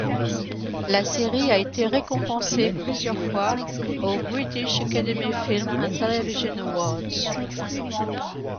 La série a été récompensée plusieurs fois aux British Academy Film and Television Awards.